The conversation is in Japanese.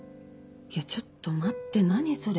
いやちょっと待って何それ。